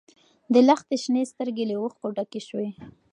د لښتې شنې سترګې له اوښکو ډکې شوې.